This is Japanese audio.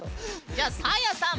じゃあサーヤさん。